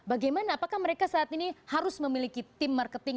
bagaimana apakah mereka saat ini harus memiliki tim marketing